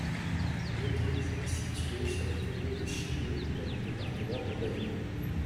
L'église est située sur la commune de Chigny, dans le département de l'Aisne.